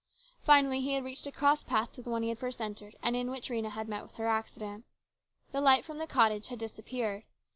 Finally he had reached a cross path to the one he had first entered, and in which Rhena had met with her accident. The light from the cottage had disappeared.